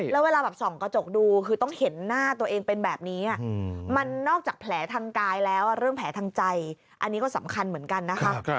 แล้วเวลาแบบส่องกระจกดูคือต้องเห็นหน้าตัวเองเป็นแบบนี้มันนอกจากแผลทางกายแล้วเรื่องแผลทางใจอันนี้ก็สำคัญเหมือนกันนะคะ